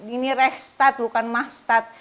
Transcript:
ini reksstat bukan masstat